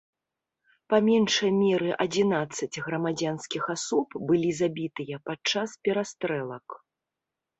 Па меншай меры адзінаццаць грамадзянскіх асоб былі забітыя падчас перастрэлак.